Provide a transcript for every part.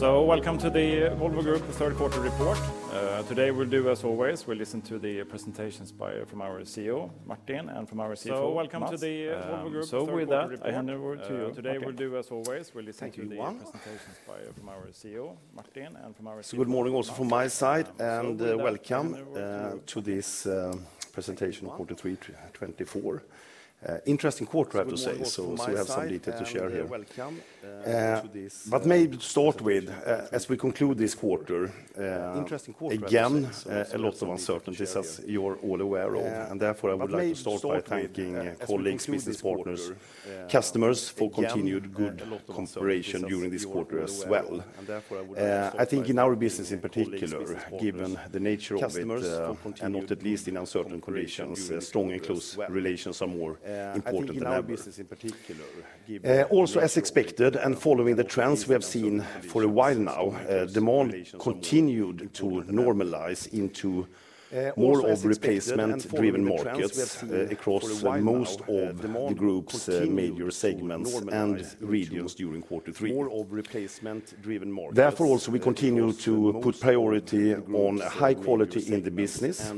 Welcome to the Volvo Group Third Quarter Report. Today we'll do as always, we'll listen to the presentations by, from our CEO, Martin, and from our CFO, Mats. With that, I hand over to you. Thank you, Johan. Good morning also from my side, and welcome to this Presentation of Quarter Three 2024. Interesting quarter, I have to say. We have some detail to share here. Let me start with, as we conclude this quarter, again, a lot of uncertainties, as you're all aware of. Therefore, I would like to start by thanking colleagues, business partners, customers, for continued good cooperation during this quarter as well. I think in our business in particular, given the nature of it, and not least in uncertain conditions, strong and close relations are more important than ever. Also, as expected, and following the trends we have seen for a while now, demand continued to normalize into more of replacement-driven markets across most of the group's major segments and regions during quarter three. Therefore, also, we continue to put priority on high quality in the business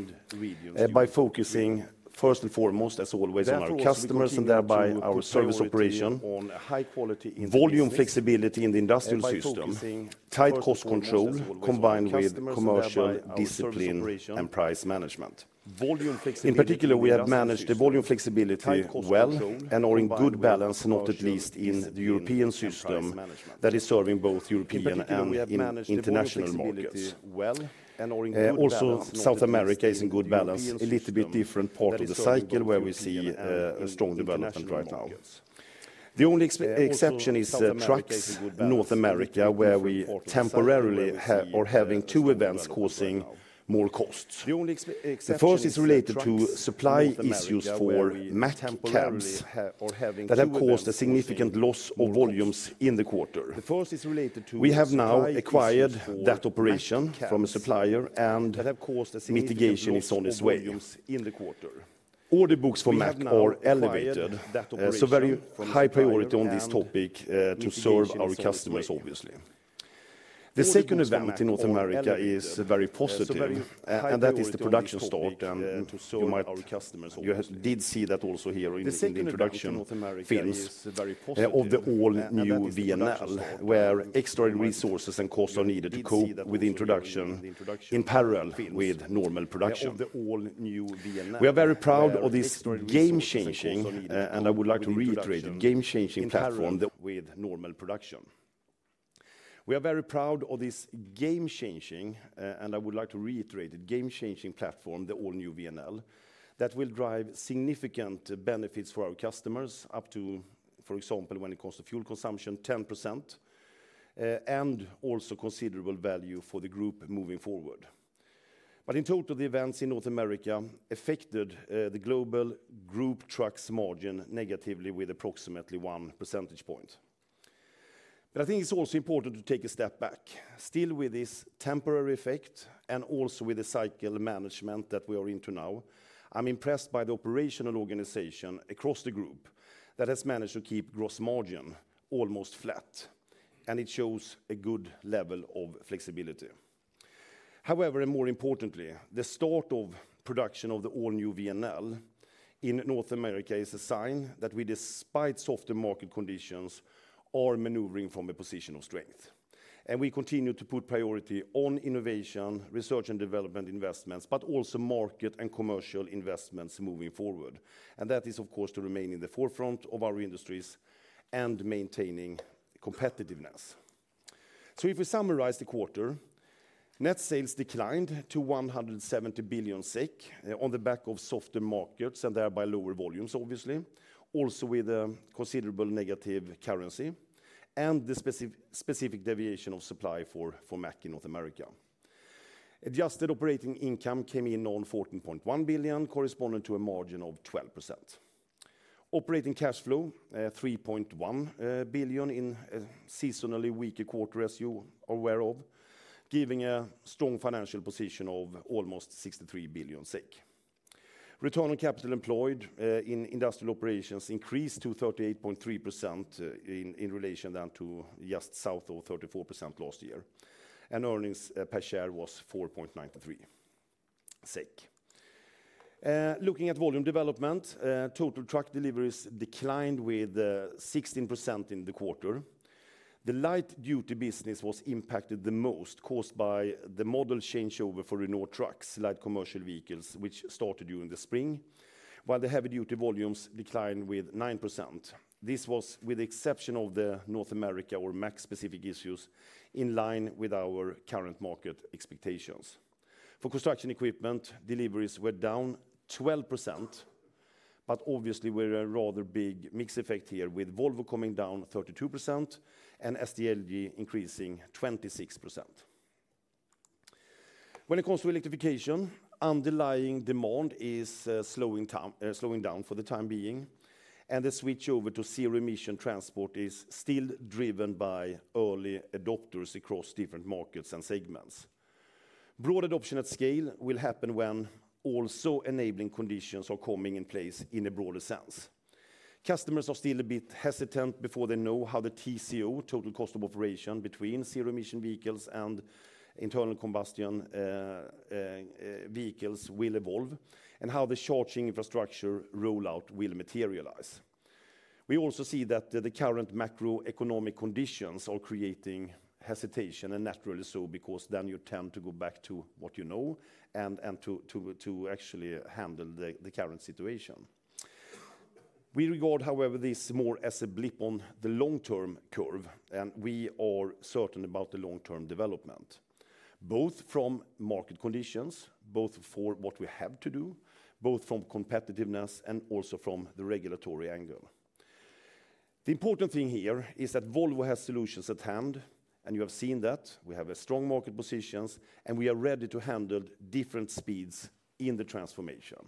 by focusing first and foremost, as always, on our customers and thereby our service operation. Volume flexibility in the industrial system, tight cost control, combined with commercial discipline and price management. In particular, we have managed the volume flexibility well and are in good balance, not least in the European system, that is serving both European and international markets. Also, South America is in good balance, a little bit different part of the cycle, where we see a strong development right now. The only exception is trucks in North America, where we temporarily are having two events causing more costs. The first is related to supply issues for Mack cabs that have caused a significant loss of volumes in the quarter. We have now acquired that operation from a supplier, and mitigation is on its way. Order books for Mack are elevated, so very high priority on this topic, to serve our customers, obviously. The second event in North America is very positive, and that is the production start, and you might... You did see that also here in the introduction films, of the all-new VNL, where extraordinary resources and costs are needed to cope with the introduction in parallel with normal production. We are very proud of this game-changing, and I would like to reiterate, game-changing platform- With normal production. We are very proud of this game-changing, and I would like to reiterate, game-changing platform, the all-new VNL, that will drive significant benefits for our customers, up to, for example, when it comes to fuel consumption, 10%, and also considerable value for the group moving forward. But in total, the events in North America affected the global group trucks margin negatively with approximately one percentage point. But I think it's also important to take a step back. Still with this temporary effect, and also with the cycle management that we are into now, I'm impressed by the operational organization across the group that has managed to keep gross margin almost flat, and it shows a good level of flexibility. However, and more importantly, the start of production of the all-new VNL in North America is a sign that we, despite softer market conditions, are maneuvering from a position of strength. And we continue to put priority on innovation, research and development investments, but also market and commercial investments moving forward. And that is, of course, to remain in the forefront of our industries and maintaining competitiveness. So if we summarize the quarter, net sales declined to 170 billion SEK, on the back of softer markets and thereby lower volumes, obviously. Also, with a considerable negative currency and the specific deviation of supply for Mack in North America. Adjusted operating income came in on 14.1 billion, corresponding to a margin of 12%. Operating cash flow 3.1 billion SEK in a seasonally weaker quarter, as you are aware of, giving a strong financial position of almost 63 billion SEK. Return on capital employed in industrial operations increased to 38.3% in relation down to just south of 34% last year, and earnings per share was 4.93 SEK. Looking at volume development, total truck deliveries declined with 16% in the quarter. The light-duty business was impacted the most, caused by the model changeover for Renault Trucks, light commercial vehicles, which started during the spring, while the heavy-duty volumes declined with 9%. This was, with the exception of the North America or Mack-specific issues, in line with our current market expectations. For construction equipment, deliveries were down 12%, but obviously, with a rather big mix effect here, with Volvo coming down 32% and SDLG increasing 26%. When it comes to electrification, underlying demand is slowing down for the time being, and the switchover to zero-emission transport is still driven by early adopters across different markets and segments. Broad adoption at scale will happen when also enabling conditions are coming in place in a broader sense. Customers are still a bit hesitant before they know how the TCO, total cost of operation, between zero-emission vehicles and internal combustion vehicles will evolve and how the charging infrastructure rollout will materialize. We also see that the current macroeconomic conditions are creating hesitation, and naturally so, because then you tend to go back to what you know, and to actually handle the current situation. We regard, however, this more as a blip on the long-term curve, and we are certain about the long-term development, both from market conditions, both for what we have to do, both from competitiveness and also from the regulatory angle. The important thing here is that Volvo has solutions at hand, and you have seen that. We have a strong market positions, and we are ready to handle different speeds in the transformation,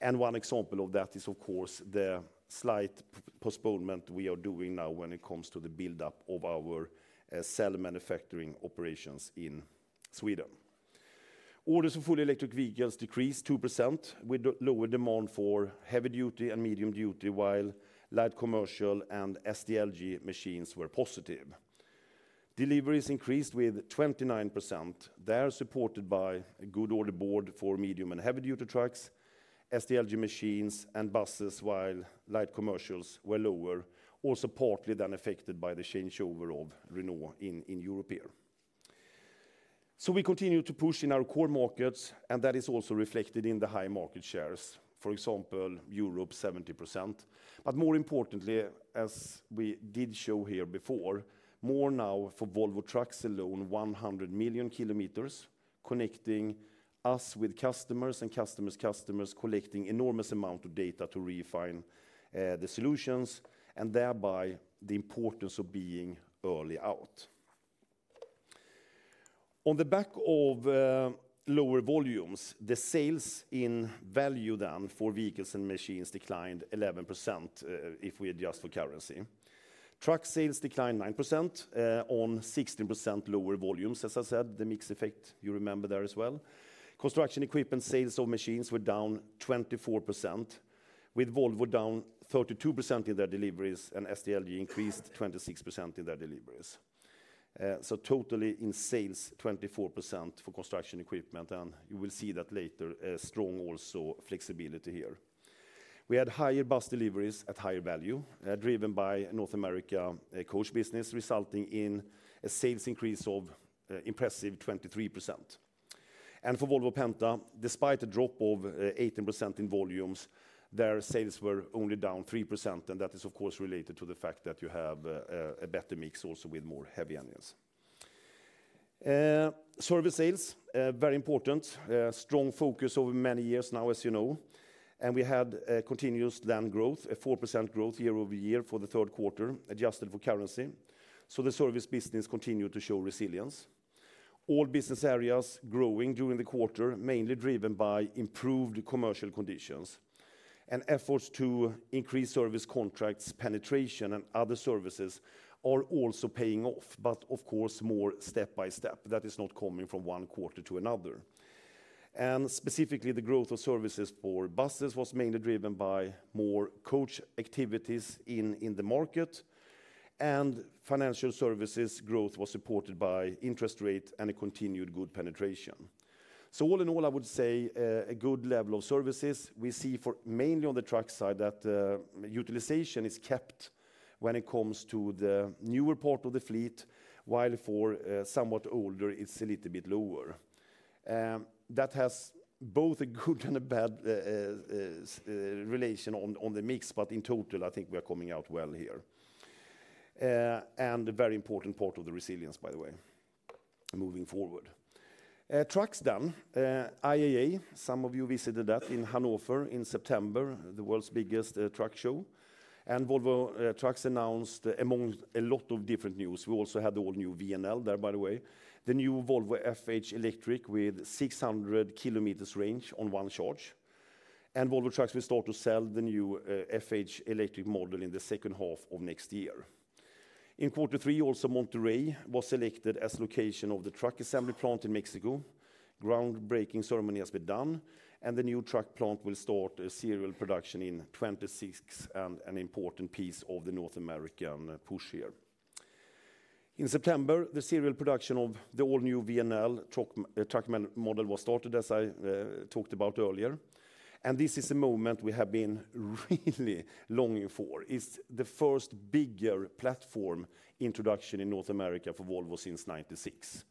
and one example of that is, of course, the slight postponement we are doing now when it comes to the buildup of our cell manufacturing operations in Sweden. Orders for fully electric vehicles decreased 2%, with lower demand for heavy duty and medium duty, while light commercial and SDLG machines were positive. Deliveries increased 29%. They are supported by a good order board for medium and heavy-duty trucks, SDLG machines and buses, while light commercials were lower, also partly then affected by the changeover of Renault in, in Europe here. So we continue to push in our core markets, and that is also reflected in the high market shares, for example, Europe, 70%. But more importantly, as we did show here before, more now for Volvo Trucks alone, 100 million km, connecting us with customers and customers' customers, collecting enormous amount of data to refine the solutions and thereby the importance of being early out. On the back of lower volumes, the sales in value then for vehicles and machines declined 11%, if we adjust for currency. Truck sales declined 9%, on 16% lower volumes. As I said, the mix effect you remember there as well. Construction equipment sales of machines were down 24%, with Volvo down 32% in their deliveries and SDLG increased 26% in their deliveries. So totally in sales, 24% for construction equipment, and you will see that later, a strong also flexibility here. We had higher bus deliveries at higher value, driven by North America, coach business, resulting in a sales increase of impressive 23%. For Volvo Penta, despite a drop of 18% in volumes, their sales were only down 3%, and that is, of course, related to the fact that you have a better mix also with more heavy engines. Service sales very important, a strong focus over many years now, as you know, and we had a continuous land growth, a 4% growth year-over-year for the third quarter, adjusted for currency. So the service business continued to show resilience. All business areas growing during the quarter, mainly driven by improved commercial conditions. Efforts to increase service contracts, penetration, and other services are also paying off, but of course, more step by step. That is not coming from one quarter to another. And specifically, the growth of services for buses was mainly driven by more coach activities in the market, and financial services growth was supported by interest rate and a continued good penetration. So all in all, I would say a good level of services. We see for mainly on the truck side, that utilization is kept when it comes to the newer part of the fleet, while for somewhat older, it's a little bit lower. That has both a good and a bad relation on the mix, but in total, I think we are coming out well here. And a very important part of the resilience, by the way, moving forward. Trucks then, IAA, some of you visited that in Hanover in September, the world's biggest truck show, and Volvo Trucks announced among a lot of different news. We also had the all-new VNL there, by the way, the new Volvo FH Electric with 600 km range on one charge, and Volvo Trucks will start to sell the new FH electric model in the second half of next year. In quarter three, also, Monterrey was selected as location of the truck assembly plant in Mexico. Groundbreaking ceremony has been done, and the new truck plant will start a serial production in 2026, and an important piece of the North American push here. In September, the serial production of the all-new VNL truck, truck model was started, as I talked about earlier, and this is a moment we have been really longing for. It's the first bigger platform introduction in North America for Volvo since 1996.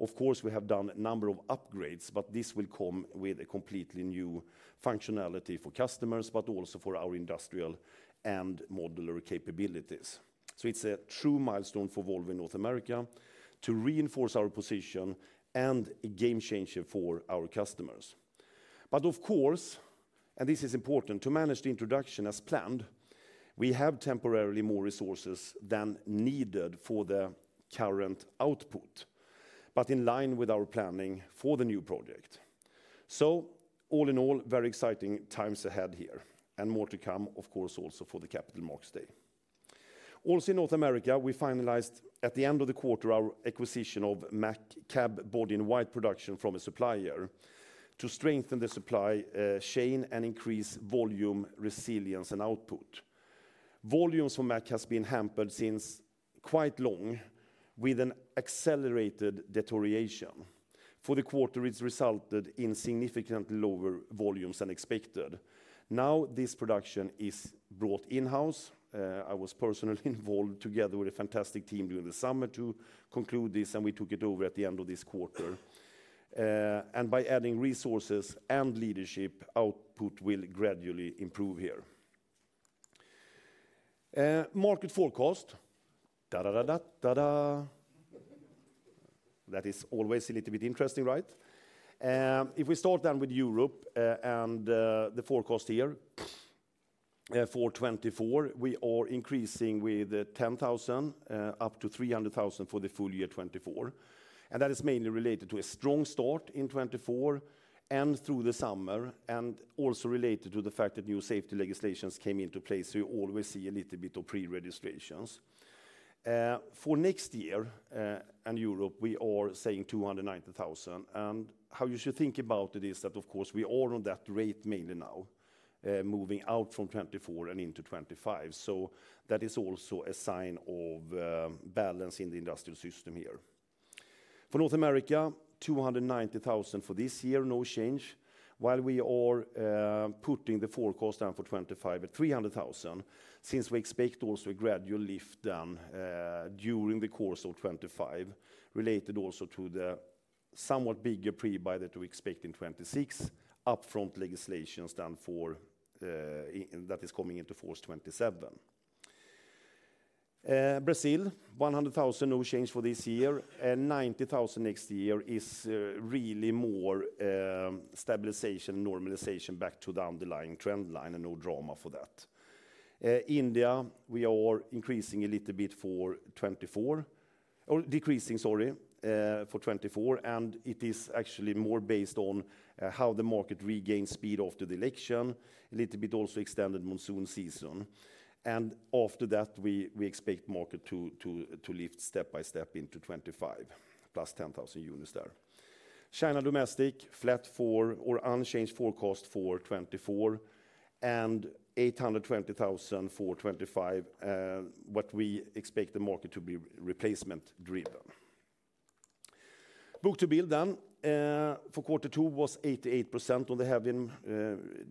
Of course, we have done a number of upgrades, but this will come with a completely new functionality for customers, but also for our industrial and modular capabilities. So it's a true milestone for Volvo in North America to reinforce our position and a game changer for our customers. But of course, and this is important, to manage the introduction as planned, we have temporarily more resources than needed for the current output, but in line with our planning for the new project. So all in all, very exciting times ahead here, and more to come, of course, also for the Capital Markets Day. Also in North America, we finalized at the end of the quarter, our acquisition of Mack cab body-in-white production from a supplier to strengthen the supply chain and increase volume, resilience, and output. Volumes for Mack has been hampered since quite long, with an accelerated deterioration. For the quarter, it's resulted in significantly lower volumes than expected. Now, this production is brought in-house. I was personally involved, together with a fantastic team during the summer, to conclude this, and we took it over at the end of this quarter, and by adding resources and leadership, output will gradually improve here. Market forecast. That is always a little bit interesting, right? If we start then with Europe, and the forecast here, for 2024, we are increasing with 10,000, up to 300,000 for the full year 2024. And that is mainly related to a strong start in 2024 and through the summer, and also related to the fact that new safety legislations came into place, so you always see a little bit of pre-registrations. For next year and Europe, we are saying 290,000. And how you should think about it is that, of course, we are on that rate mainly now, moving out from 2024 and into 2025. So that is also a sign of balance in the industrial system here. For North America, 290,000 for this year, no change, while we are putting the forecast down for 2025 at 300,000, since we expect also a gradual lift down during the course of 2025, related also to the somewhat bigger pre-buy that we expect in 2026, upfront legislations than for that is coming into force 2027. Brazil, 100,000, no change for this year, and 90,000 next year is really more stabilization, normalization back to the underlying trend line and no drama for that. India, we are increasing a little bit for 2024 or decreasing, sorry, for 2024, and it is actually more based on how the market regains speed after the election, a little bit also extended monsoon season. After that, we expect market to lift step by step into 2025, +10,000 units there. China domestic, flat or unchanged forecast for 2024, and 820,000 for 2025, what we expect the market to be replacement driven. Book-to-bill then for quarter two was 88% on the heavy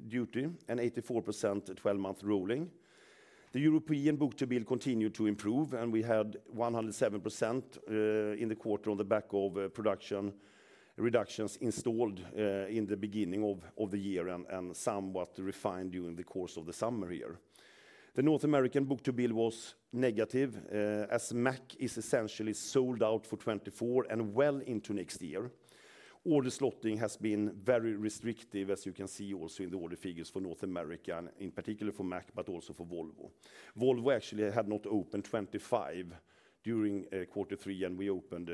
duty, and 84% at twelve-month rolling. The European book-to-bill continued to improve, and we had 107% in the quarter on the back of production reductions installed in the beginning of the year and somewhat refined during the course of the summer here. The North American book-to-bill was negative, as Mack is essentially sold out for 2024 and well into next year. Order slotting has been very restrictive, as you can see also in the order figures for North America, and in particular for Mack, but also for Volvo. Volvo actually had not opened 25 during quarter three, and we opened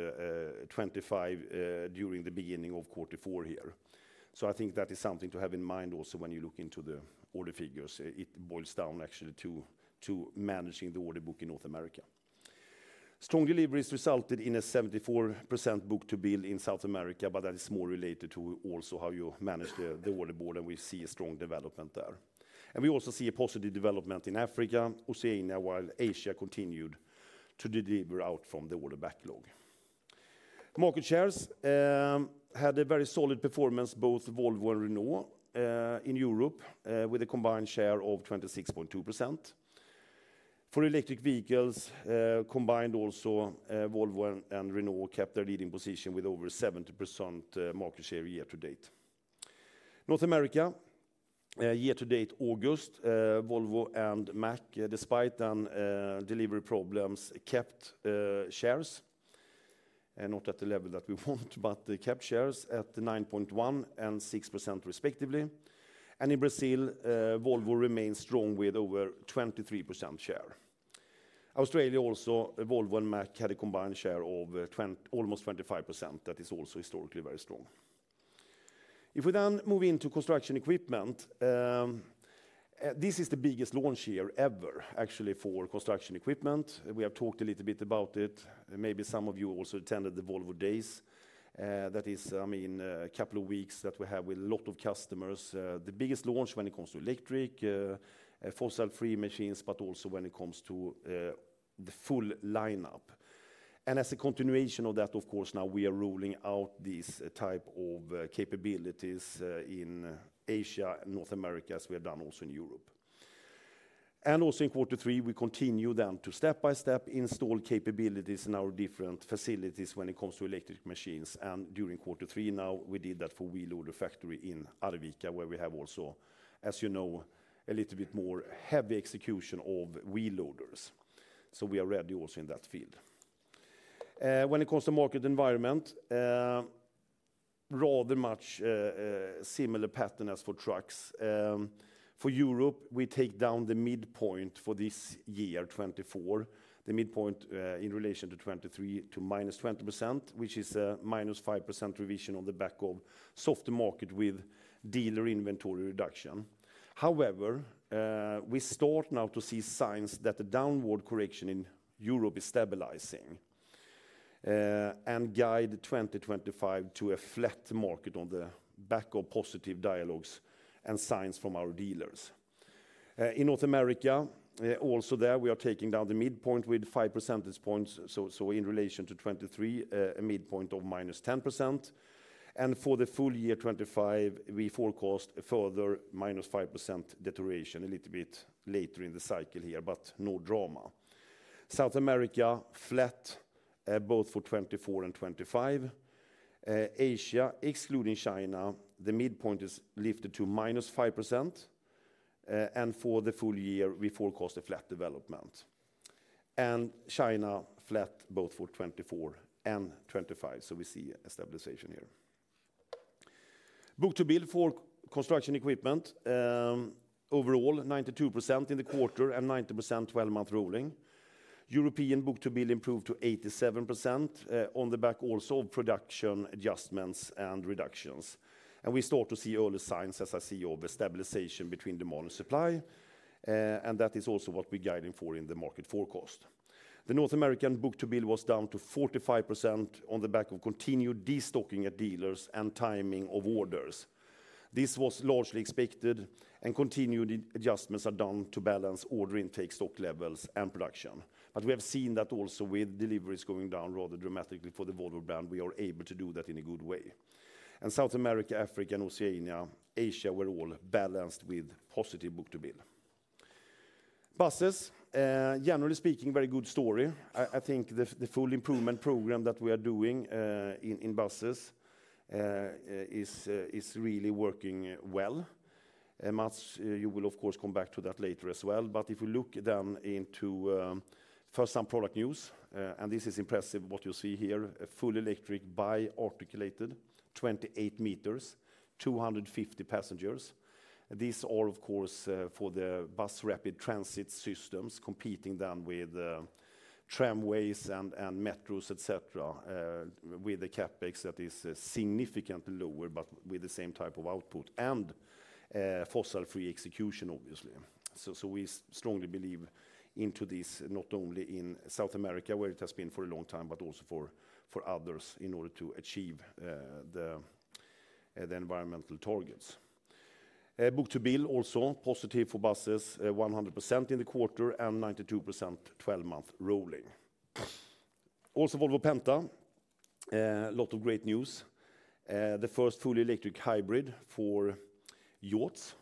25 during the beginning of quarter four here. So I think that is something to have in mind also when you look into the order figures. It boils down actually to managing the order book in North America. Strong deliveries resulted in a 74% book-to-bill in South America, but that is more related to also how you manage the order book, and we see a strong development there. And we also see a positive development in Africa, Oceania, while Asia continued to deliver out from the order backlog. Market shares had a very solid performance, both Volvo and Renault in Europe with a combined share of 26.2%. For electric vehicles, combined also, Volvo and Renault kept their leading position with over 70% market share year to date. North America year to date August Volvo and Mack despite then delivery problems kept shares not at the level that we want, but they kept shares at 9.1% and 6%, respectively. In Brazil Volvo remains strong with over 23% share. Australia also Volvo and Mack had a combined share of almost 25%. That is also historically very strong. If we then move into construction equipment, this is the biggest launch year ever, actually, for construction equipment. We have talked a little bit about it. Maybe some of you also attended the Volvo Days, that is, I mean, a couple of weeks that we have with a lot of customers. The biggest launch when it comes to electric, fossil-free machines, but also when it comes to the full lineup, and as a continuation of that, of course, now we are rolling out these type of capabilities in Asia and North America, as we have done also in Europe, and also in quarter three, we continue then to step by step install capabilities in our different facilities when it comes to electric machines, and during quarter three, now, we did that for wheel loader factory in Arvika, where we have also, as you know, a little bit more heavy execution of wheel loaders, so we are ready also in that field. When it comes to market environment, rather much similar pattern as for trucks. For Europe, we take down the midpoint for this year, 2024. The midpoint in relation to 2023 to -20%, which is a -5% revision on the back of softer market with dealer inventory reduction. However, we start now to see signs that the downward correction in Europe is stabilizing and guide 2025 to a flat market on the back of positive dialogues and signs from our dealers. In North America, also there, we are taking down the midpoint with five percentage points. So in relation to 2023, a midpoint of -10%, and for the full year 2025, we forecast a further -5% deterioration a little bit later in the cycle here, but no drama. South America, flat, both for 2024 and 2025. Asia, excluding China, the midpoint is lifted to -5%, and for the full year, we forecast a flat development. China, flat both for 2024 and 2025, so we see a stabilization here. Book-to-bill for construction equipment, overall, 92% in the quarter and 90% twelve-month rolling. European book-to-bill improved to 87%, on the back also of production adjustments and reductions. We start to see early signs, as I see, of a stabilization between demand and supply, and that is also what we're guiding for in the market forecast. The North American book-to-bill was down to 45% on the back of continued destocking at dealers and timing of orders. This was largely expected, and continued adjustments are done to balance order intake, stock levels, and production. But we have seen that also with deliveries going down rather dramatically for the Volvo brand, we are able to do that in a good way. And South America, Africa, and Oceania, Asia were all balanced with positive book-to-bill. Buses, generally speaking, very good story. I think the full improvement program that we are doing in buses is really working well. And Mats, you will of course, come back to that later as well. But if you look down into first, some product news, and this is impressive, what you see here, a full electric bi-articulated, 28 meters, 250 passengers. These are, of course, for the bus rapid transit systems, competing then with tramways and metros, et cetera, with the CapEx that is significantly lower, but with the same type of output and fossil-free execution, obviously. We strongly believe into this, not only in South America, where it has been for a long time, but also for others in order to achieve the environmental targets. Book-to-bill, also positive for buses, 100% in the quarter and 92% twelve-month rolling. Also, Volvo Penta, lot of great news. The first fully electric hybrid for yachts.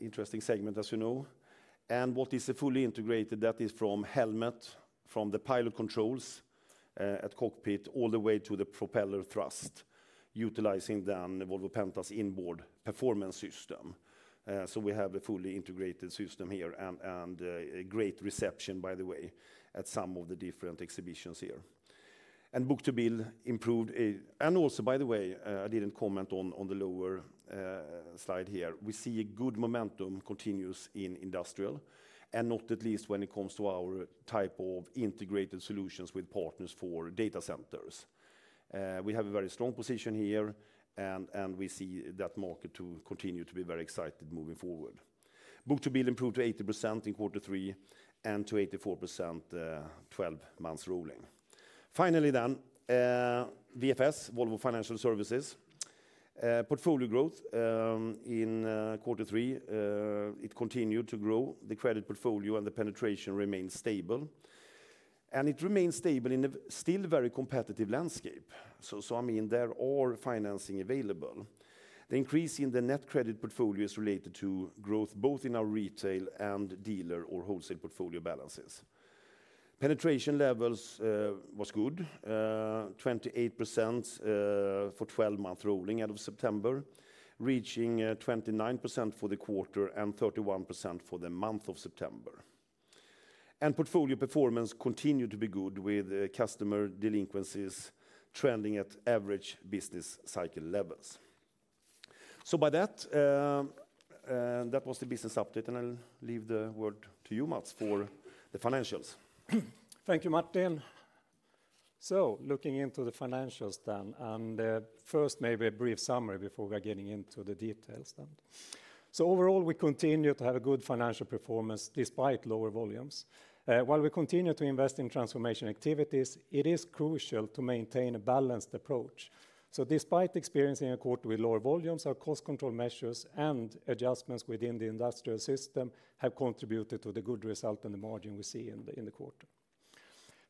Interesting segment, as you know. And what is a fully integrated, that is from helm, from the pilot controls at cockpit, all the way to the propeller thrust, utilizing then Volvo Penta's Inboard Performance System. So we have a fully integrated system here and a great reception, by the way, at some of the different exhibitions here. Book-to-bill improved. Also, by the way, I didn't comment on the lower slide here. We see a good momentum continues in industrial, and not least when it comes to our type of integrated solutions with partners for data centers. We have a very strong position here, and we see that market to continue to be very excited moving forward. Book-to-bill improved to 80% in quarter three and to 84%, twelve months rolling. Finally, VFS, Volvo Financial Services. Portfolio growth in quarter three, it continued to grow. The credit portfolio and the penetration remained stable, and it remains stable in a still very competitive landscape. So I mean, there are financing available. The increase in the net credit portfolio is related to growth, both in our retail and dealer or wholesale portfolio balances. Penetration levels was good, 28%, for twelve-month rolling out of September, reaching 29% for the quarter and 31% for the month of September. And portfolio performance continued to be good, with customer delinquencies trending at average business cycle levels. So by that, that was the business update, and I'll leave the word to you, Mats, for the financials. Thank you, Martin. So looking into the financials then, and first, maybe a brief summary before we are getting into the details then. So overall, we continue to have a good financial performance despite lower volumes. While we continue to invest in transformation activities, it is crucial to maintain a balanced approach. So despite experiencing a quarter with lower volumes, our cost control measures and adjustments within the industrial system have contributed to the good result and the margin we see in the quarter.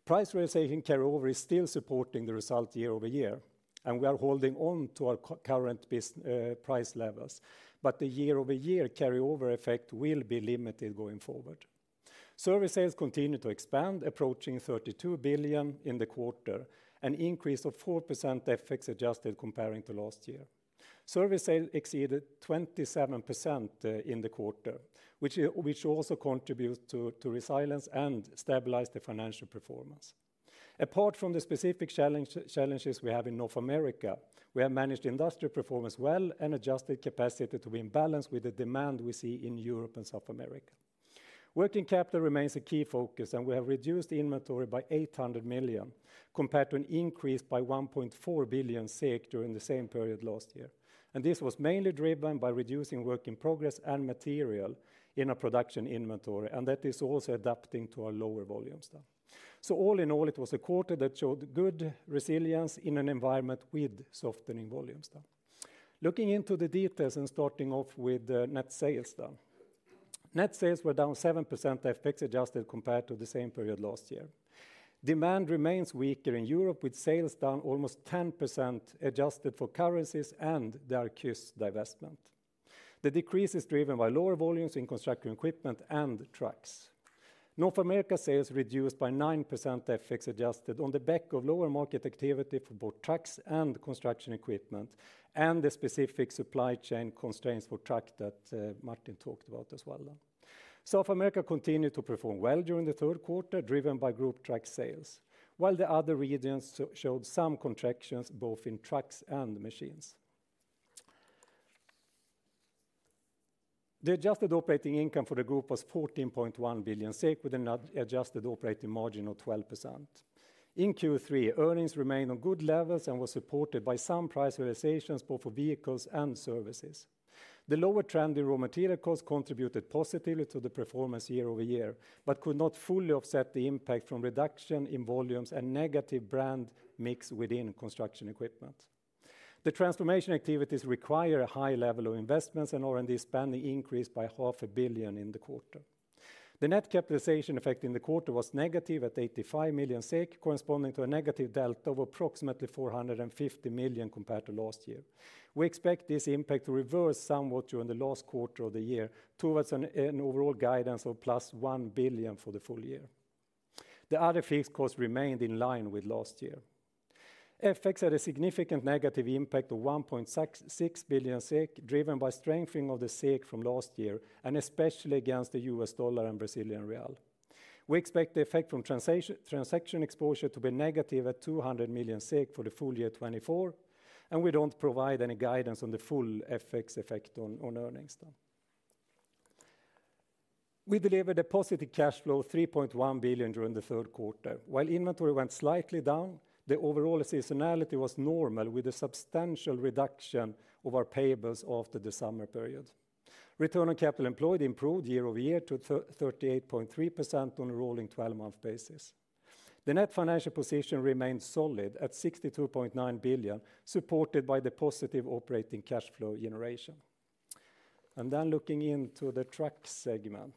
Price realization carryover is still supporting the result year-over-year, and we are holding on to our current business price levels, but the year-over-year carryover effect will be limited going forward. Service sales continue to expand, approaching 32 billion in the quarter, an increase of 4% FX adjusted comparing to last year. Service sales exceeded 27% in the quarter, which also contributes to resilience and stabilize the financial performance. Apart from the specific challenges we have in North America, we have managed industrial performance well and adjusted capacity to be in balance with the demand we see in Europe and South America. Working capital remains a key focus, and we have reduced inventory by 800 million compared to an increase by 1.4 billion during the same period last year. And this was mainly driven by reducing work in progress and material in a production inventory, and that is also adapting to our lower volumes then. So all in all, it was a quarter that showed good resilience in an environment with softening volumes then. Looking into the details and starting off with net sales done. Net sales were down 7% FX adjusted compared to the same period last year. Demand remains weaker in Europe, with sales down almost 10%, adjusted for currencies and the Arquus divestment. The decrease is driven by lower volumes in construction equipment and trucks. North America sales reduced by 9% FX adjusted on the back of lower market activity for both trucks and construction equipment, and the specific supply chain constraints for truck that Martin talked about as well. South America continued to perform well during the third quarter, driven by group truck sales, while the other regions showed some contractions, both in trucks and machines. The adjusted operating income for the group was 14.1 billion SEK, with an adjusted operating margin of 12%. In Q3, earnings remained on good levels and was supported by some price realizations, both for vehicles and services. The lower trend in raw material costs contributed positively to the performance year-over-year, but could not fully offset the impact from reduction in volumes and negative brand mix within construction equipment. The transformation activities require a high level of investments, and R&D spending increased by 500 million in the quarter. The net capitalization effect in the quarter was negative at 85 million SEK, corresponding to a negative delta of approximately 450 million compared to last year. We expect this impact to reverse somewhat during the last quarter of the year, towards an overall guidance of +1 billion for the full year. The other fixed costs remained in line with last year. FX had a significant negative impact of 1.66 billion SEK, driven by strengthening of the SEK from last year, and especially against the U.S. dollar and Brazilian real. We expect the effect from transaction exposure to be negative at 200 million SEK for the full year 2024, and we don't provide any guidance on the full FX effect on earnings. We delivered a positive cash flow of 3.1 billion SEK during the third quarter. While inventory went slightly down, the overall seasonality was normal, with a substantial reduction of our payables after the summer period. Return on capital employed improved year-over-year to 38.3% on a rolling twelve-month basis. The net financial position remained solid at 62.9 billion SEK, supported by the positive operating cash flow generation. Then looking into the truck segment.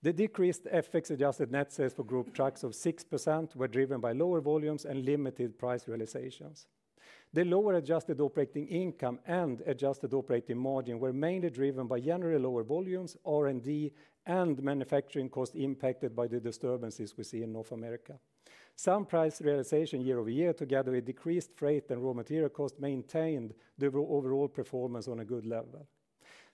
The decreased FX adjusted net sales for group trucks of 6% were driven by lower volumes and limited price realizations. The lower adjusted operating income and adjusted operating margin were mainly driven by generally lower volumes, R&D, and manufacturing costs impacted by the disturbances we see in North America. Some price realization year-over-year, together with decreased freight and raw material costs, maintained the overall performance on a good level.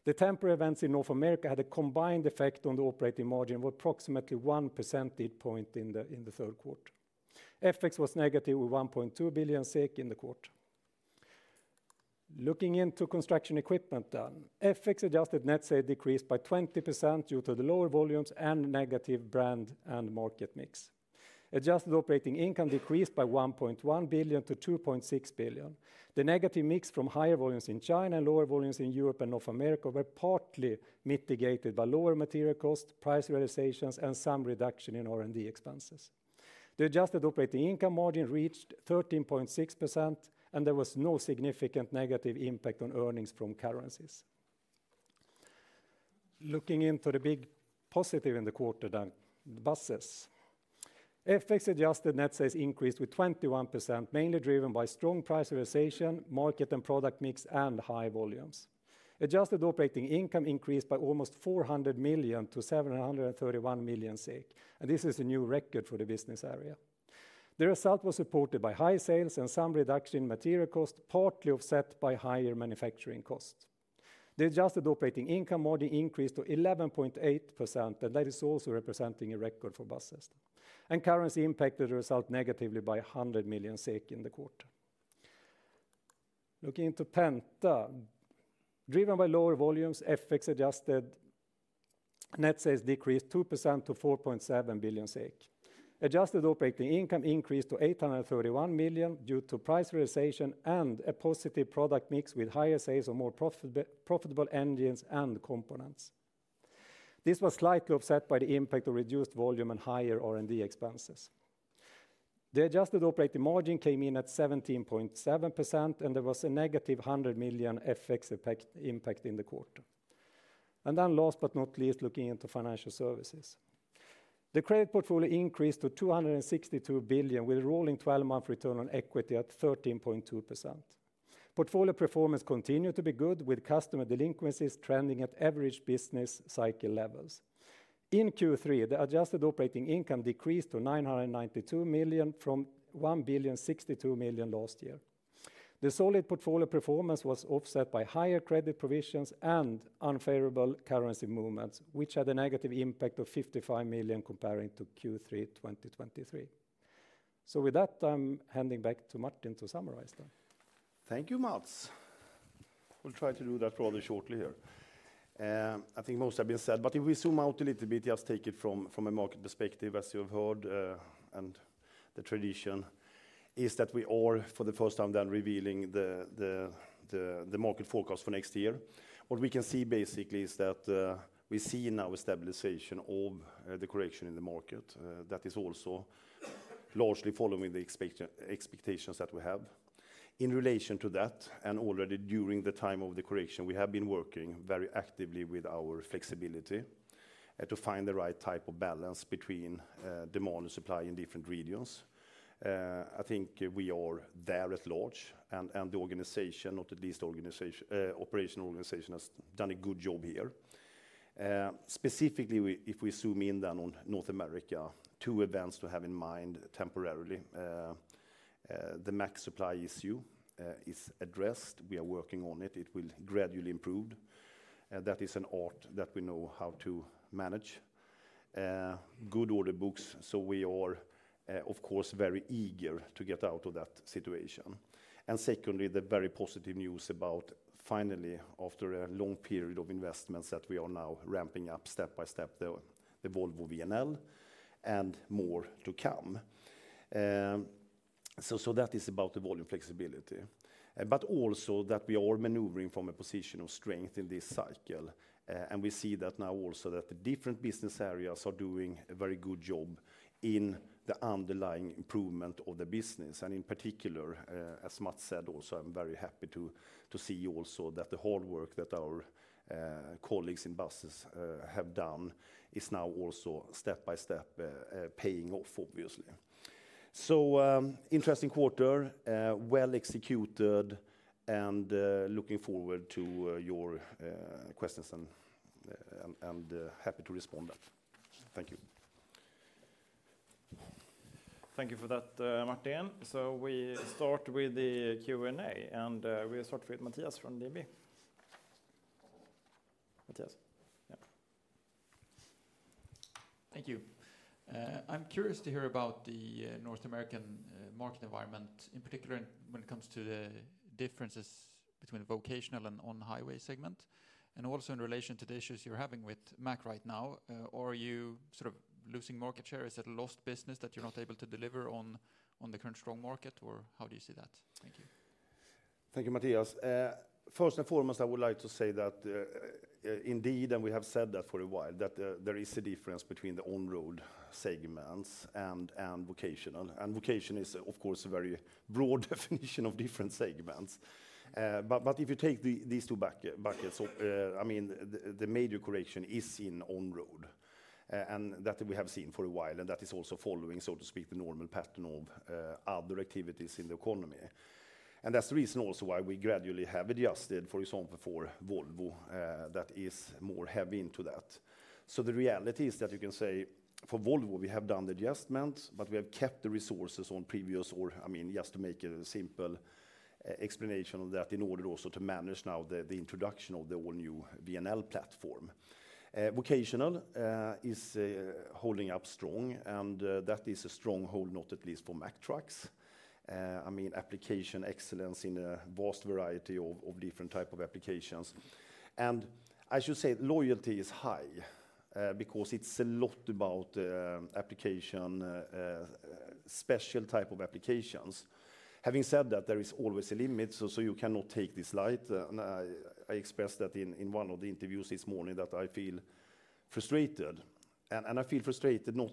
The temporary events in North America had a combined effect on the operating margin of approximately one percentage point in the third quarter. FX was negative with 1.2 billion SEK in the quarter. Looking into construction equipment. FX adjusted net sales decreased by 20% due to the lower volumes and negative brand and market mix. Adjusted operating income decreased by 1.1 billion-2.6 billion. The negative mix from higher volumes in China and lower volumes in Europe and North America were partly mitigated by lower material costs, price realizations, and some reduction in R&D expenses. The adjusted operating income margin reached 13.6%, and there was no significant negative impact on earnings from currencies. Looking into the big positive in the quarter then, buses. FX adjusted net sales increased with 21%, mainly driven by strong price realization, market and product mix, and high volumes. Adjusted operating income increased by almost 400 million-731 million SEK, and this is a new record for the business area. The result was supported by high sales and some reduction in material costs, partly offset by higher manufacturing costs. The adjusted operating income margin increased to 11.8%, and that is also representing a record for buses. Currency impact did result negatively by 100 million SEK in the quarter. Looking into Penta. Driven by lower volumes, FX adjusted net sales decreased 2% to 4.7 billion. Adjusted operating income increased to 831 million due to price realization and a positive product mix with higher sales of more profitable engines and components. This was slightly offset by the impact of reduced volume and higher R&D expenses. The adjusted operating margin came in at 17.7%, and there was a negative 100 million FX impact in the quarter. Last but not least, looking into financial services. The credit portfolio increased to 262 billion, with a rolling twelve-month return on equity at 13.2%. Portfolio performance continued to be good, with customer delinquencies trending at average business cycle levels. In Q3, the adjusted operating income decreased to 992 million from 1,062 million last year. The solid portfolio performance was offset by higher credit provisions and unfavorable currency movements, which had a negative impact of 55 million comparing to Q3 2023. So with that, I'm handing back to Martin to summarize then. Thank you, Mats.... I will try to do that rather shortly here. I think most have been said, but if we zoom out a little bit, just take it from a market perspective, as you have heard, and the tradition is that we are for the first time then revealing the market forecast for next year. What we can see basically is that we see now a stabilization of the correction in the market, that is also largely following the expectations that we have. In relation to that, and already during the time of the correction, we have been working very actively with our flexibility to find the right type of balance between demand and supply in different regions. I think we are there at large, and the organization, not the least operational organization, has done a good job here. Specifically, if we zoom in then on North America, two events to have in mind temporarily. The Mack supply issue is addressed. We are working on it. It will gradually improve. That is an art that we know how to manage. Good order books, so we are, of course, very eager to get out of that situation. And secondly, the very positive news about finally, after a long period of investments, that we are now ramping up step by step, the Volvo VNL and more to come. So that is about the volume flexibility, but also that we are maneuvering from a position of strength in this cycle, and we see that now also that the different business areas are doing a very good job in the underlying improvement of the business. And in particular, as Mats said, also, I'm very happy to see also that the hard work that our colleagues in buses have done is now also step by step paying off, obviously. So, interesting quarter, well executed, and looking forward to your questions and happy to respond that. Thank you. Thank you for that, Martin. So we start with the Q&A, and we start with Mattias from DNB. Mattias? Yeah. Thank you. I'm curious to hear about the North American market environment, in particular when it comes to the differences between vocational and on-highway segment, and also in relation to the issues you're having with Mack right now. Are you sort of losing market share? Is that a lost business that you're not able to deliver on, on the current strong market, or how do you see that? Thank you. Thank you, Mattias. First and foremost, I would like to say that, indeed, and we have said that for a while, that there is a difference between the on-road segments and vocational. And vocational is, of course, a very broad definition of different segments. But if you take these two buckets, I mean, the major correction is in on-road, and that we have seen for a while, and that is also following, so to speak, the normal pattern of other activities in the economy. And that's the reason also why we gradually have adjusted, for example, for Volvo, that is more heavy into that. So the reality is that you can say for Volvo, we have done the adjustments, but we have kept the resources on previous or, I mean, just to make a simple explanation of that, in order also to manage now the introduction of the all-new VNL platform. Vocational is holding up strong, and that is a stronghold, not least for Mack Trucks. I mean, application excellence in a vast variety of different type of applications. And I should say loyalty is high, because it's a lot about application special type of applications. Having said that, there is always a limit, so you cannot take this lightly. And I expressed that in one of the interviews this morning that I feel frustrated. I feel frustrated not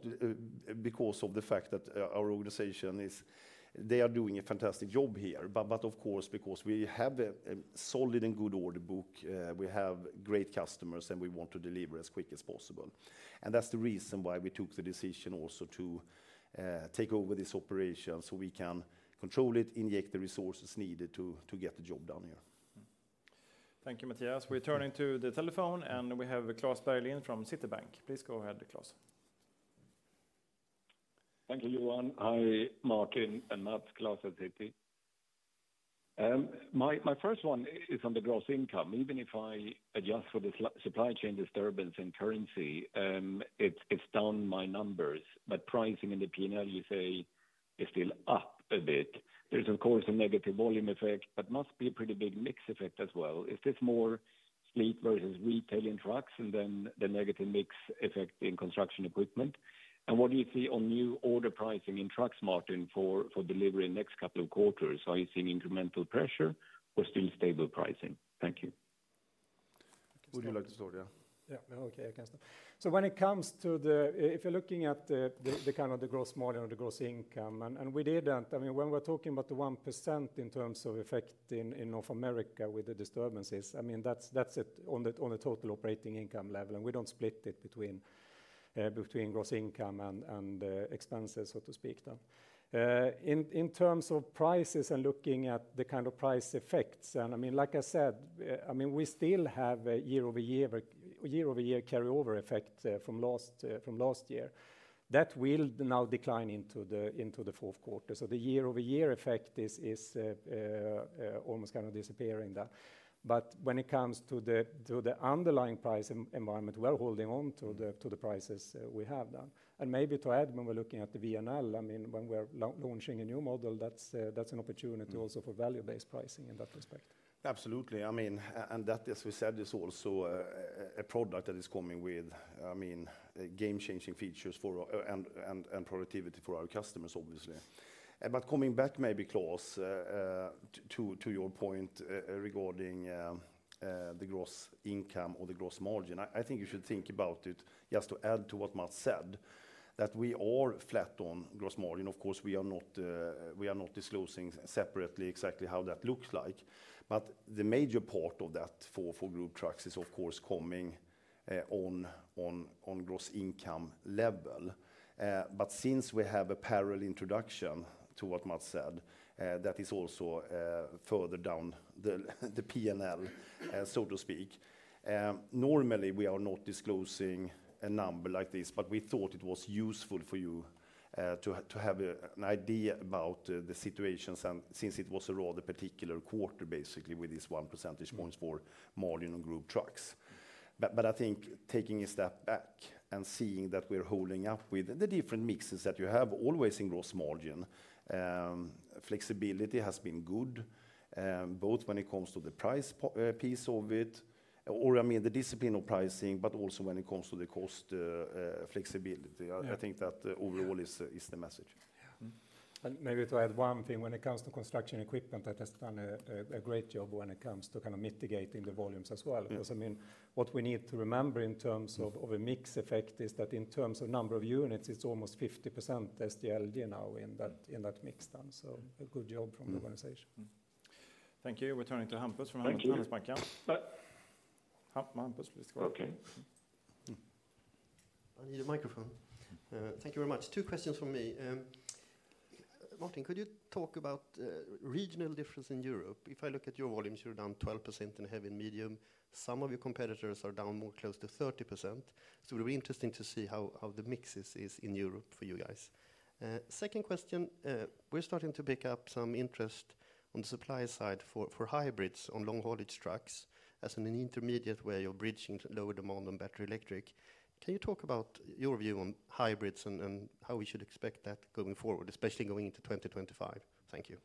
because of the fact that our organization is doing a fantastic job here, but of course, because we have a solid and good order book, we have great customers, and we want to deliver as quick as possible. That's the reason why we took the decision also to take over this operation, so we can control it, inject the resources needed to get the job done here. Thank you, Mattias. We're turning to the telephone, and we have Klas Bergelind from Citibank. Please go ahead, Klas. Thank you, Johan. Hi, Martin and Mats, Klas at Citi. My first one is on the gross income. Even if I adjust for the supply chain disturbance and currency, it's down my numbers, but pricing in the PNL, you say, is still up a bit. There's, of course, a negative volume effect, but must be a pretty big mix effect as well. Is this more fleet versus retail in trucks than the negative mix effect in construction equipment? And what do you see on new order pricing in trucks, Martin, for delivery in the next couple of quarters? Are you seeing incremental pressure or still stable pricing? Thank you. Would you like to start? Yeah. Yeah. Okay, I can start. So when it comes to the... If you're looking at the kind of the gross margin or the gross income, and we didn't-- I mean, when we're talking about the 1% in terms of effect in North America with the disturbances, I mean, that's it on a total operating income level, and we don't split it between-... between gross income and expenses, so to speak, then. In terms of prices and looking at the kind of price effects, and I mean, like I said, I mean, we still have a year-over-year carryover effect from last year. That will now decline into the fourth quarter. So the year-over-year effect is almost kind of disappearing there. But when it comes to the underlying price environment, we're holding on to the prices we have now. And maybe to add, when we're looking at the VNL, I mean, when we're launching a new model, that's an opportunity also for value-based pricing in that respect. Absolutely. I mean, and that, as we said, is also a product that is coming with, I mean, game-changing features for productivity for our customers, obviously. But coming back, maybe, Klas, to your point, regarding the gross income or the gross margin, I think you should think about it, just to add to what Mats said, that we are flat on gross margin. Of course, we are not disclosing separately exactly how that looks like, but the major part of that for Group Trucks is, of course, coming on gross income level. But since we have a parallel introduction to what Mats said, that is also further down the PNL, so to speak. Normally, we are not disclosing a number like this, but we thought it was useful for you to have an idea about the situations and since it was a rather particular quarter, basically, with this one percentage points for margin on Group Trucks. But I think taking a step back and seeing that we're holding up with the different mixes that you have, always in gross margin, flexibility has been good, both when it comes to the pricing piece of it, or I mean, the discipline of pricing, but also when it comes to the cost flexibility. Yeah. I think that overall is the message. Yeah. Mm-hmm. And maybe to add one thing, when it comes to construction equipment, that has done a great job when it comes to kind of mitigating the volumes as well. Yeah. Because, I mean, what we need to remember in terms of- Mm... of a mix effect is that in terms of number of units, it's almost 50% SDLG now in that, in that mix done. So a good job from the organization. Thank you. We're turning to Hampus from Handelsbanken. Thank you. Hampus, please go ahead. Okay. I need a microphone. Thank you very much. Two questions from me. Martin, could you talk about regional difference in Europe? If I look at your volumes, you're down 12% in heavy and medium. Some of your competitors are down more close to 30%. So it will be interesting to see how the mixes is in Europe for you guys. Second question, we're starting to pick up some interest on the supply side for hybrids on long-haulage trucks as an intermediate way of bridging lower demand on battery electric. Can you talk about your view on hybrids and how we should expect that going forward, especially going into 2025? Thank you.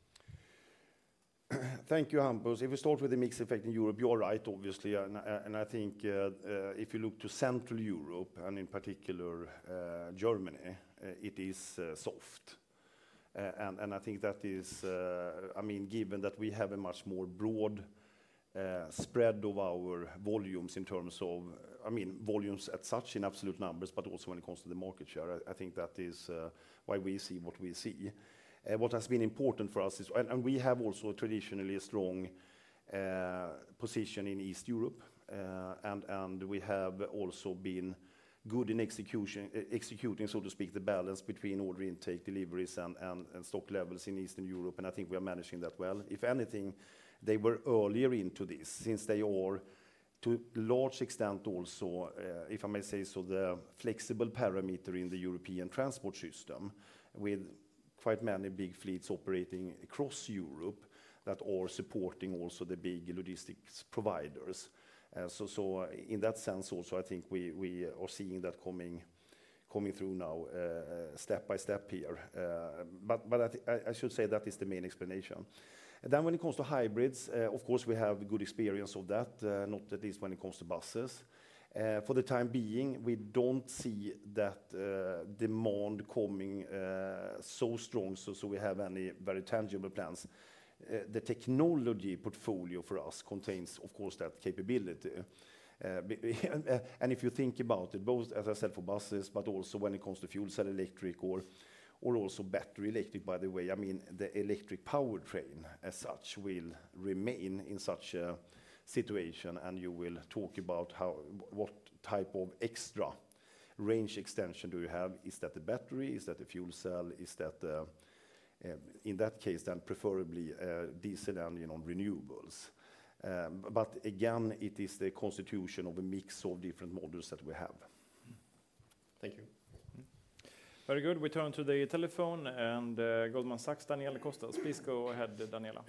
Thank you, Hampus. If we start with the mix effect in Europe, you're right, obviously, and I think if you look to Central Europe, and in particular, Germany, it is soft. And I think that is... I mean, given that we have a much more broad spread of our volumes in terms of, I mean, volumes as such in absolute numbers, but also when it comes to the market share, I think that is why we see what we see. What has been important for us is. We have also traditionally a strong position in East Europe and we have also been good in execution, executing, so to speak, the balance between order intake, deliveries, and stock levels in Eastern Europe, and I think we are managing that well. If anything, they were earlier into this since they are, to a large extent also, if I may say so, the flexible parameter in the European transport system, with quite many big fleets operating across Europe that are supporting also the big logistics providers, so in that sense, also, I think we are seeing that coming through now, step by step here, but I should say that is the main explanation. Then when it comes to hybrids, of course, we have good experience of that, not at least when it comes to buses. For the time being, we don't see that demand coming so strong, so we have any very tangible plans. The technology portfolio for us contains, of course, that capability. And if you think about it, both, as I said, for buses, but also when it comes to fuel cell electric or also battery electric, by the way, I mean, the electric powertrain as such will remain in such a situation, and you will talk about what type of extra range extension do you have? Is that a battery? Is that a fuel cell? Is that in that case then preferably diesel and, you know, renewables. But again, it is the constitution of a mix of different models that we have. Thank you. Very good. We turn to the telephone and, Goldman Sachs, Daniela Costa. Please go ahead, Daniela.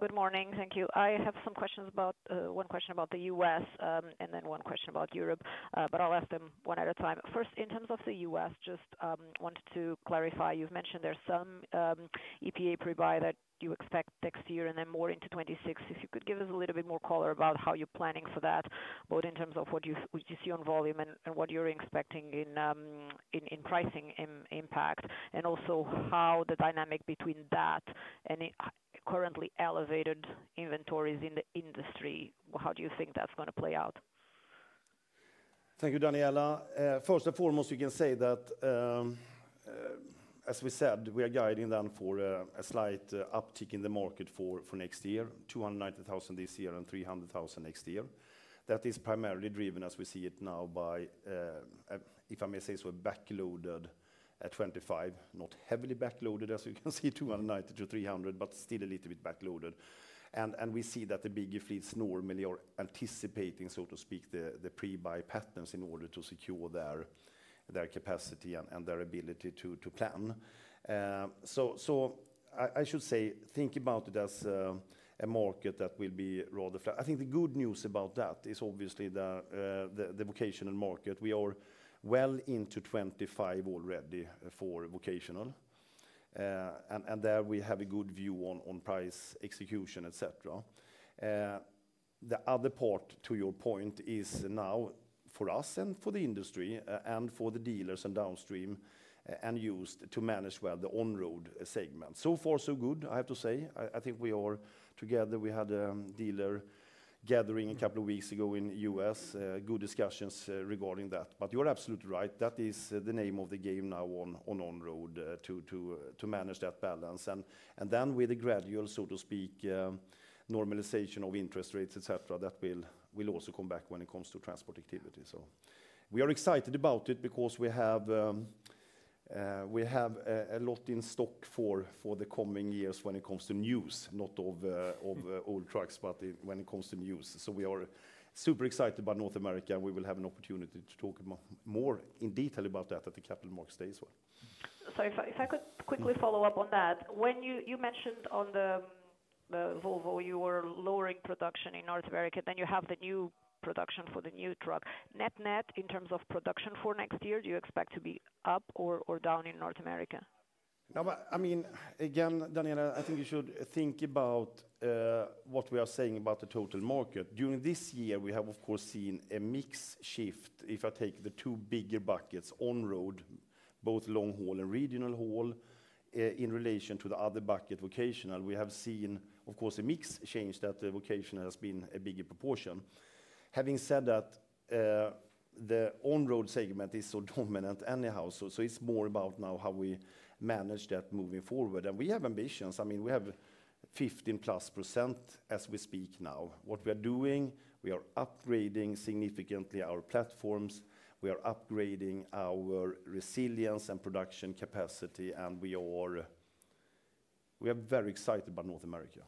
Good morning. Thank you. I have some questions about, one question about the U.S., and then one question about Europe, but I'll ask them one at a time. First, in terms of the U.S., just, wanted to clarify, you've mentioned there's some, EPA pre-buy that you expect next year and then more into 2026. If you could give us a little bit more color about how you're planning for that, both in terms of what you see on volume and, and what you're expecting in, pricing impact, and also how the dynamic between that and the currently elevated inventories in the industry, how do you think that's gonna play out? Thank you, Daniela. First and foremost, we can say that, as we said, we are guiding then for a slight uptick in the market for next year, 290,000 this year and 300,000 next year. That is primarily driven, as we see it now, by, if I may say, so we're backloaded at 25, not heavily backloaded, as you can see, 290-300, but still a little bit backloaded. And we see that the bigger fleets normally are anticipating, so to speak, the pre-buy patterns in order to secure their capacity and their ability to plan. So I should say, think about it as a market that will be rather flat. I think the good news about that is obviously the vocational market. We are well into 2025 already for vocational, and there we have a good view on price, execution, et cetera. The other part to your point is now for us and for the industry, and for the dealers and downstream, and used to manage well the on-road segment. So far so good, I have to say. I think we are together. We had a dealer gathering a couple of weeks ago in U.S., good discussions regarding that. But you are absolutely right, that is the name of the game now on-road, to manage that balance. Then with the gradual, so to speak, normalization of interest rates, et cetera, that will also come back when it comes to transport activity. So we are excited about it because we have a lot in stock for the coming years when it comes to news, not of old trucks, but when it comes to news. So we are super excited by North America, and we will have an opportunity to talk more in detail about that at the Capital Markets Day as well. So if I could quickly follow up on that. When you mentioned on the Volvo, you were lowering production in North America, then you have the new production for the new truck. Net-net, in terms of production for next year, do you expect to be up or down in North America? No, but I mean, again, Daniela, I think you should think about what we are saying about the total market. During this year, we have, of course, seen a mix shift. If I take the two bigger buckets on-road, both long haul and regional haul, in relation to the other bucket, vocational, we have seen, of course, a mix change, that the vocational has been a bigger proportion. Having said that, the on-road segment is so dominant anyhow, so it's more about now how we manage that moving forward. We have ambitions. I mean, we have 15%+ as we speak now. What we are doing, we are upgrading significantly our platforms, we are upgrading our resilience and production capacity, and we are very excited about North America.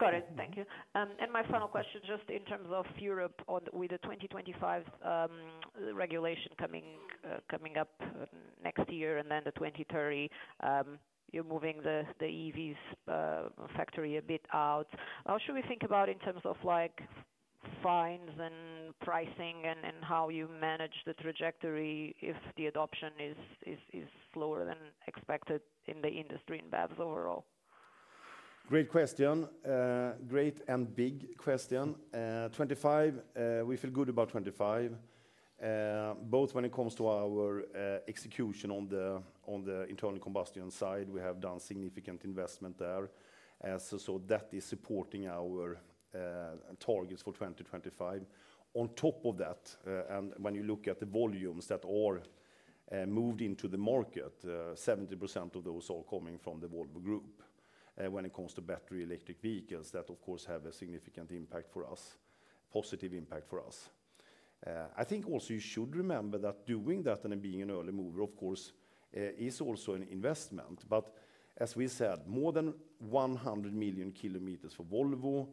Got it. Thank you. And my final question, just in terms of Europe with the 2025 regulation coming up next year and then the 2030, you're moving the EVs factory a bit out. How should we think about in terms of like fines and pricing and how you manage the trajectory if the adoption is slower than expected in the industry in BEVs overall? Great question. Great and big question. 2025, we feel good about 2025, both when it comes to our execution on the internal combustion side. We have done significant investment there. So that is supporting our targets for 2025. On top of that, and when you look at the volumes that are moved into the market, 70% of those are coming from the Volvo Group. When it comes to battery electric vehicles, that of course has a significant impact for us, positive impact for us. I think also you should remember that doing that and being an early mover, of course, is also an investment. But as we said, more than 100 million kilometers for Volvo,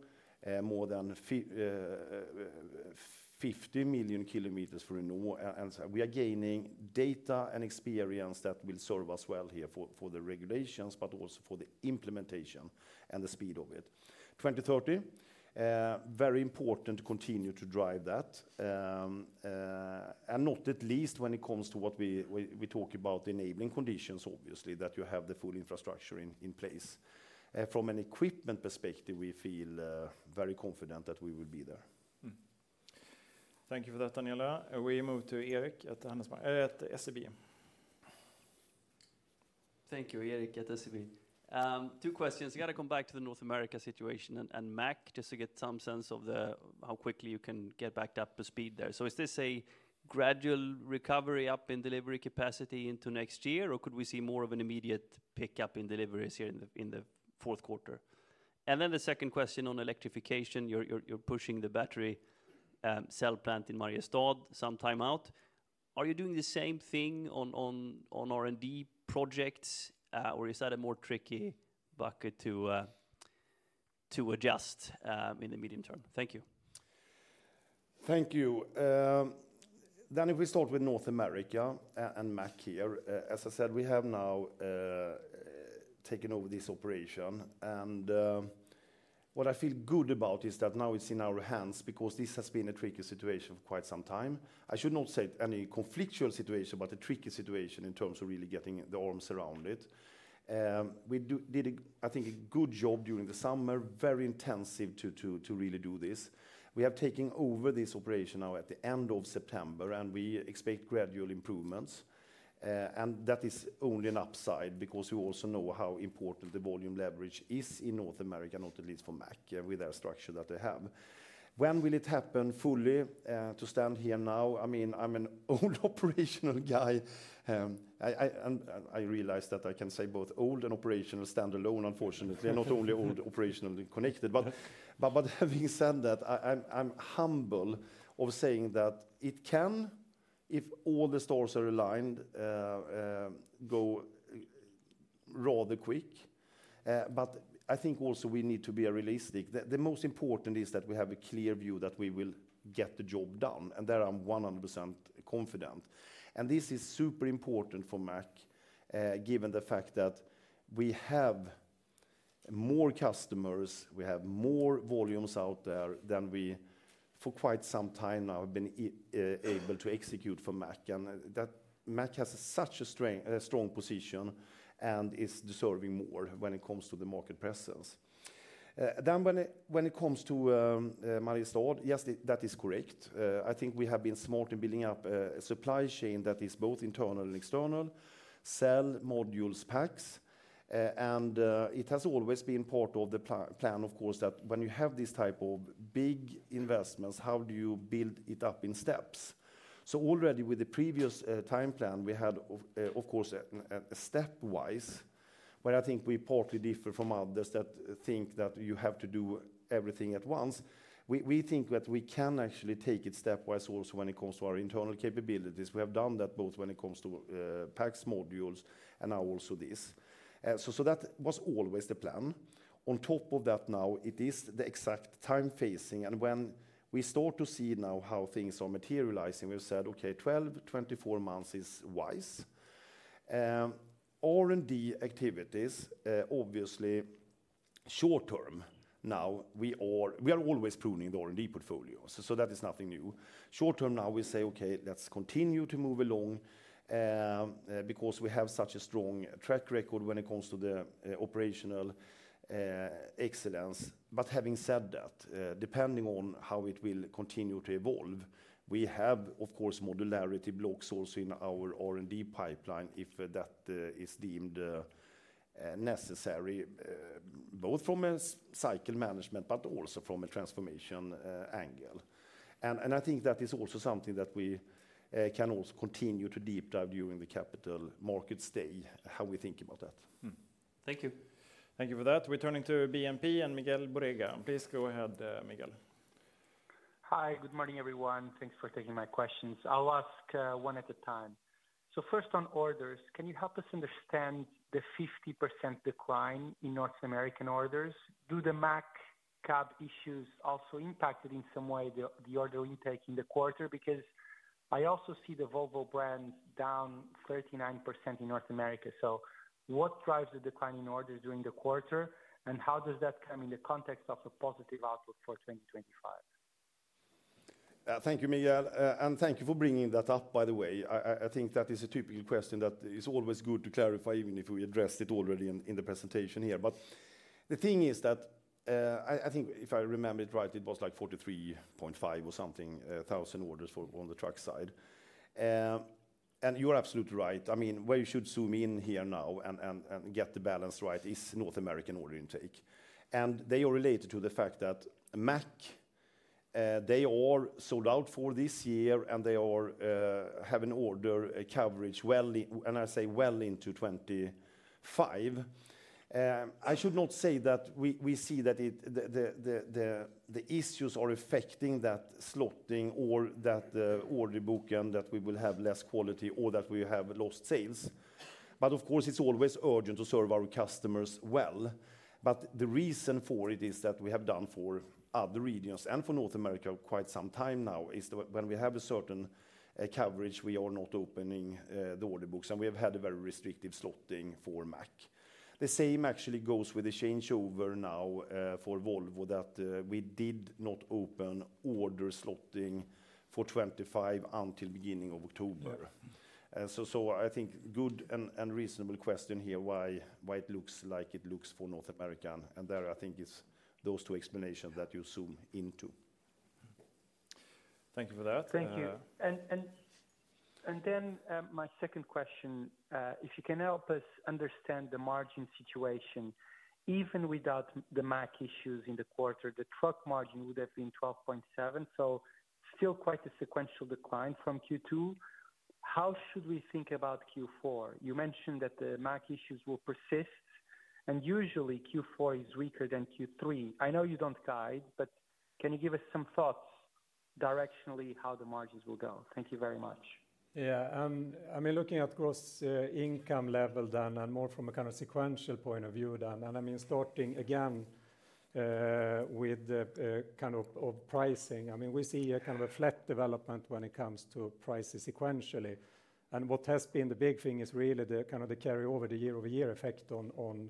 more than 50 million kilometers for Renault, and so we are gaining data and experience that will serve us well here for the regulations, but also for the implementation and the speed of it. 2030, very important to continue to drive that, and not least when it comes to what we talk about enabling conditions, obviously, that you have the full infrastructure in place. From an equipment perspective, we feel very confident that we will be there. Thank you for that, Daniela. We move to Erik at SEB. Thank you. Erik at SEB. Two questions. I got to come back to the North America situation and Mack, just to get some sense of the how quickly you can get back up to speed there. So is this a gradual recovery up in delivery capacity into next year, or could we see more of an immediate pickup in deliveries here in the fourth quarter? And then the second question on electrification, you're pushing the battery cell plant in Mariestad some time out. Are you doing the same thing on R&D projects, or is that a more tricky bucket to adjust in the medium term? Thank you. Thank you. Then if we start with North America and Mack here, as I said, we have now taken over this operation, and what I feel good about is that now it's in our hands because this has been a tricky situation for quite some time. I should not say any conflictual situation, but a tricky situation in terms of really getting the arms around it. We did a, I think, a good job during the summer, very intensive to really do this. We have taken over this operation now at the end of September, and we expect gradual improvements, and that is only an upside because we also know how important the volume leverage is in North America, not at least for Mack, with their structure that they have. When will it happen fully to stand here now? I mean, I'm an old operational guy, and I realize that I can say both old and operational stand alone, unfortunately, not only old operationally connected. But having said that, I'm humble of saying that it can if all the stars are aligned go rather quick. But I think also we need to be realistic. The most important is that we have a clear view that we will get the job done, and there I'm 100% confident. And this is super important for Mack, given the fact that we have more customers, we have more volumes out there than we, for quite some time now, have been able to execute for Mack. And that Mack has such a strong position and is deserving more when it comes to the market presence. Then when it comes to Mariestad, yes, that is correct. I think we have been smart in building up a supply chain that is both internal and external, cell modules packs, and it has always been part of the plan, of course, that when you have this type of big investments, how do you build it up in steps? So already with the previous time plan, we had of course a stepwise, where I think we partly differ from others that think that you have to do everything at once. We think that we can actually take it stepwise also when it comes to our internal capabilities. We have done that both when it comes to packs, modules, and now also this. So that was always the plan. On top of that, now it is the exact time phasing, and when we start to see now how things are materializing, we've said, "Okay, 12, 24 months is wise." R&D activities, obviously, short term. Now, we are always pruning the R&D portfolio, so that is nothing new. Short term, now we say, "Okay, let's continue to move along," because we have such a strong track record when it comes to the operational excellence. But having said that, depending on how it will continue to evolve, we have, of course, modularity blocks also in our R&D pipeline, if that is deemed necessary, both from a supply cycle management, but also from a transformation angle. I think that is also something that we can also continue to deep dive during the Capital Markets Day, how we think about that. Thank you. Thank you for that. Returning to BNP and Miguel Borrega. Please go ahead, Miguel. Hi, good morning, everyone. Thanks for taking my questions. I'll ask one at a time. So first on orders, can you help us understand the 50% decline in North American orders? Do the Mack cab issues also impacted in some way the order intake in the quarter? Because I also see the Volvo brand down 39% in North America. So what drives the decline in orders during the quarter, and how does that come in the context of a positive outlook for 2025? Thank you, Miguel, and thank you for bringing that up, by the way. I think that is a typical question that is always good to clarify, even if we addressed it already in the presentation here. But the thing is that I think if I remember it right, it was like 43.5 or something thousand orders for on the truck side. And you are absolutely right. I mean, where you should zoom in here now and get the balance right is North American order intake. And they are related to the fact that Mack they are sold out for this year, and they have an order coverage well into 2025. I should not say that we see that it... The issues are affecting that slotting or that order book, and that we will have less quality or that we have lost sales. But of course, it's always urgent to serve our customers well. But the reason for it is that we have done for other regions and for North America quite some time now, is that when we have a certain coverage, we are not opening the order books, and we have had a very restrictive slotting for Mack. The same actually goes with the changeover now for Volvo, that we did not open order slotting for 2025 until beginning of October. Yep. So, I think good and reasonable question here, why it looks like it looks for North America, and there I think it's those two explanations that you zoom into. Thank you for that. Thank you. My second question, if you can help us understand the margin situation. Even without the Mack issues in the quarter, the truck margin would have been 12.7, so still quite a sequential decline from Q2. How should we think about Q4? You mentioned that the Mack issues will persist, and usually Q4 is weaker than Q3. I know you don't guide, but can you give us some thoughts directionally, how the margins will go? Thank you very much. Yeah, I mean, looking at gross income level then, and more from a kind of sequential point of view then, and I mean, starting again with the kind of pricing, I mean, we see a kind of a flat development when it comes to prices sequentially. And what has been the big thing is really the kind of the carryover, the year-over-year effect on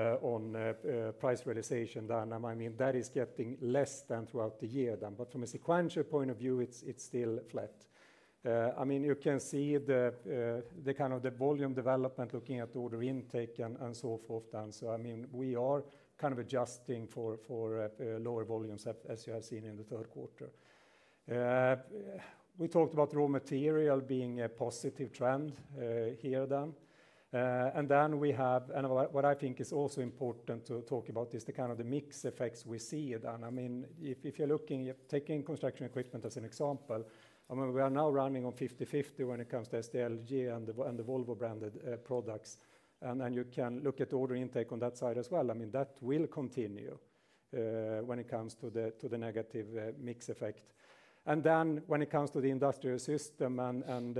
price realization then. I mean, that is getting less than throughout the year then, but from a sequential point of view, it's still flat. I mean, you can see the kind of the volume development, looking at order intake and so forth then. So I mean, we are kind of adjusting for lower volumes, as you have seen in the third quarter. We talked about raw material being a positive trend here then. And what I think is also important to talk about is the kind of mix effects we see then. I mean, if you're looking at taking construction equipment as an example, I mean, we are now running on 50-50 when it comes to SDLG and the Volvo-branded products. And you can look at order intake on that side as well. I mean, that will continue when it comes to the negative mix effect. ...And then when it comes to the industrial system and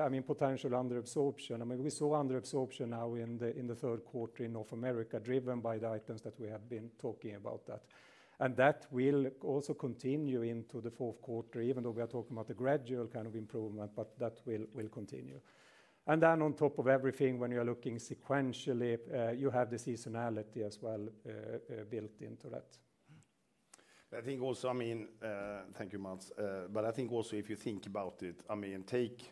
I mean, potential under absorption, I mean, we saw under absorption now in the third quarter in North America, driven by the items that we have been talking about that. And that will also continue into the fourth quarter, even though we are talking about the gradual kind of improvement, but that will continue. And then on top of everything, when you're looking sequentially, built into that. I think also, I mean, thank you, Mats. But I think also if you think about it, I mean, take,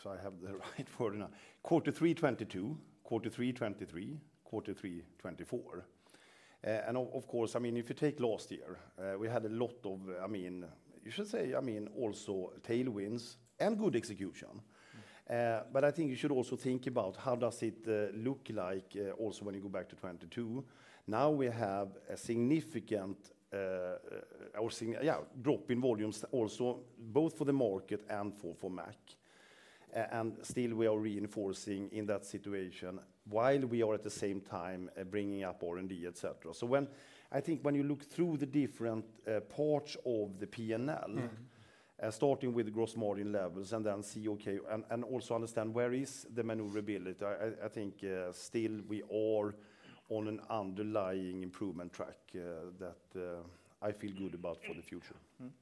so I have the right word now, quarter three 2022, quarter three 2023, quarter three 2024. And of, of course, I mean, if you take last year, we had a lot of I mean, you should say, I mean, also tailwinds and good execution. But I think you should also think about how does it look like, also when you go back to 2022. Now we have a significant drop in volumes also, both for the market and for, for Mack. And still we are reinforcing in that situation while we are at the same time, bringing up R&D, et cetera. So I think when you look through the different parts of the P&L- Mm-hmm... starting with gross margin levels and then see, okay, and also understand where is the maneuverability? I think still we are on an underlying improvement track, that I feel good about for the future. Mm-hmm.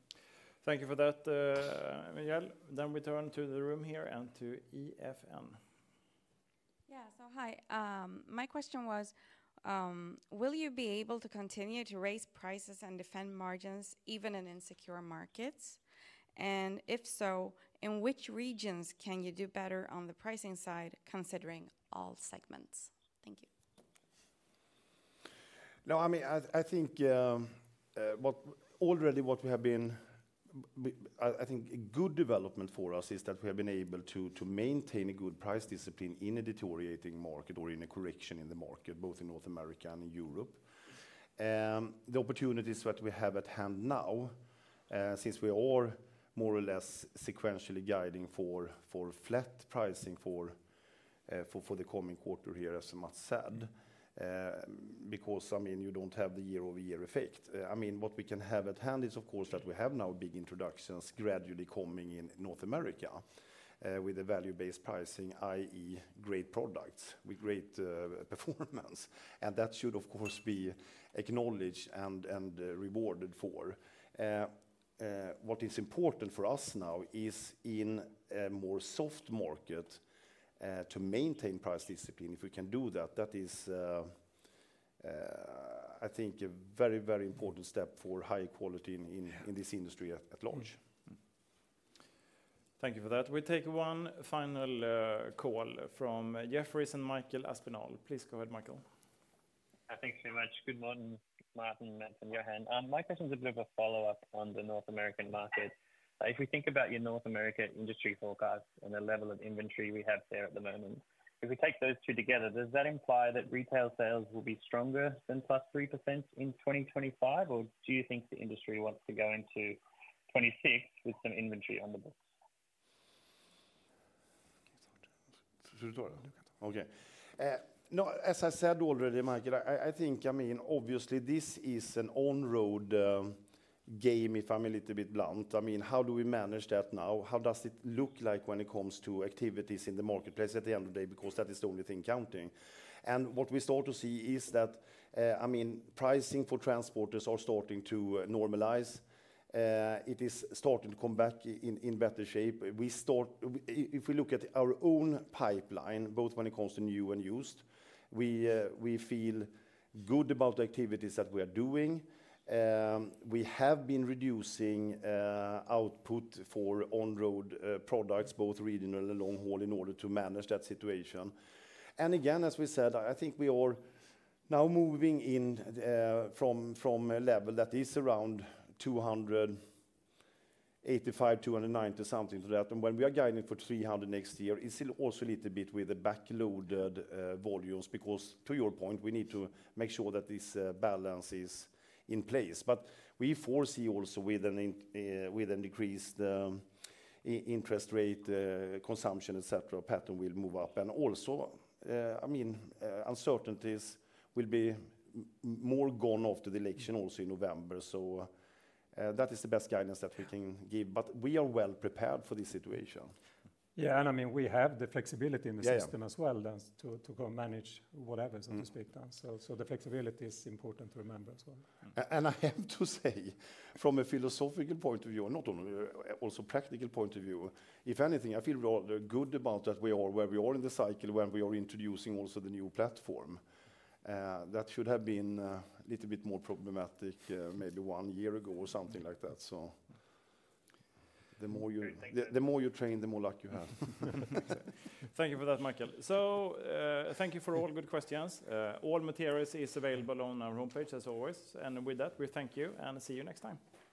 Thank you for that, Miguel. Then we turn to the room here and to EFN. Yeah. So hi, my question was, will you be able to continue to raise prices and defend margins even in insecure markets? And if so, in which regions can you do better on the pricing side, considering all segments? Thank you. No, I mean, I think already what we have been. We, I think a good development for us is that we have been able to maintain a good price discipline in a deteriorating market or in a correction in the market, both in North America and in Europe. The opportunities that we have at hand now, since we are more or less sequentially guiding for flat pricing for the coming quarter here, as Mats said, because, I mean, you don't have the year-over-year effect. I mean, what we can have at hand is, of course, that we have now big introductions gradually coming in North America, with a value-based pricing, i.e., great products with great performance. And that should, of course, be acknowledged and rewarded for. What is important for us now is in a more soft market to maintain price discipline. If we can do that, that is, I think a very, very important step for high quality in this industry at large. Mm-hmm. Thank you for that. We take one final call from Jefferies and Michael Aspinall. Please go ahead, Michael. Thanks so much. Good morning, Martin, Mats, and Johan. My question is a bit of a follow-up on the North American market. If we think about your North American industry forecast and the level of inventory we have there at the moment, if we take those two together, does that imply that retail sales will be stronger than +3% in 2025? Or do you think the industry wants to go into 2026 with some inventory on the books? Okay. No, as I said already, Michael, I think, I mean, obviously, this is an on-road game, if I'm a little bit blunt. I mean, how do we manage that now? How does it look like when it comes to activities in the marketplace at the end of the day, because that is the only thing counting. And what we start to see is that, I mean, pricing for transporters are starting to normalize. It is starting to come back in better shape. If we look at our own pipeline, both when it comes to new and used, we feel good about the activities that we are doing. We have been reducing output for on-road products, both regional and long haul, in order to manage that situation. And again, as we said, I think we are now moving in from a level that is around 285, 290-something to that. When we are guiding for 300 next year, it's still also a little bit with the backloaded volumes, because to your point, we need to make sure that this balance is in place. But we foresee also with a decreased interest rate, consumption, et cetera, pattern will move up. And also, I mean, uncertainties will be more gone after the election also in November. So, that is the best guidance that we can give, but we are well prepared for this situation. Yeah, and I mean, we have the flexibility in the system- Yeah... as well, then, to go manage whatever- Mm-hmm ...so to speak, then. So, the flexibility is important to remember as well. And I have to say, from a philosophical point of view, and not only, also practical point of view, if anything, I feel rather good about that we are where we are in the cycle, when we are introducing also the new platform. That should have been little bit more problematic, maybe one year ago or something like that. So the more you- Great. Thank you.... The more you train, the more luck you have. Thank you for that, Michael. So, thank you for all good questions. All materials is available on our homepage as always. And with that, we thank you and see you next time.